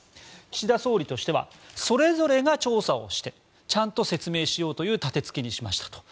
岸田総理としてはそれぞれが調査をしてちゃんと説明しようという立てつけにしましたと。